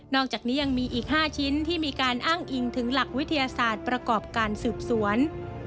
อกจากนี้ยังมีอีก๕ชิ้นที่มีการอ้างอิงถึงหลักวิทยาศาสตร์ประกอบการสืบสวน